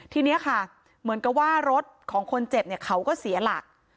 ทีนี้ค่ะเหมือนกับว่ารถของคนเจ็บเนี่ยเขาก็เสียหลัก